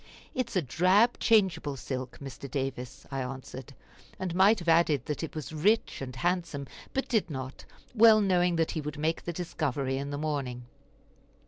"It is a drab changeable silk, Mr. Davis," I answered; and might have added that it was rich and handsome, but did not, well knowing that he would make the discovery in the morning.